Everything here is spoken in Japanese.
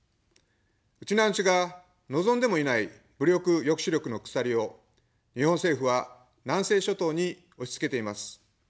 ウチナーンチュが望んでもいない武力抑止力の鎖を日本政府は南西諸島に押しつけています。